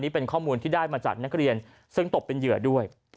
เป็นข้อมูลที่ได้มาจากนักเรียนซึ่งตกเป็นเหยื่อด้วย